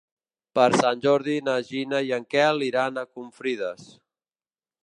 Per Sant Jordi na Gina i en Quel iran a Confrides.